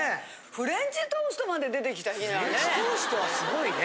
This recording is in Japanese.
フレンチトーストまで出てきた日にはね。